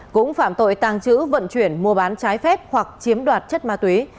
cũng phạm tội tàng trữ vận chuyển mua bán trái phép hoặc chiếm đoạt chất ma túy